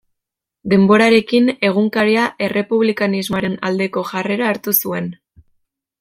Denborarekin egunkaria errepublikanismoaren aldeko jarrera hartu zuen.